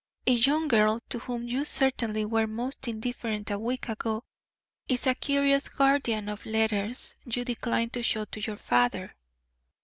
"A young girl, to whom you certainly were most indifferent a week ago, is a curious guardian of letters you decline to show your father."